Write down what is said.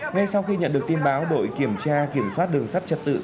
ngay sau khi nhận được tin báo đội kiểm tra kiểm phát đường sắt chật tự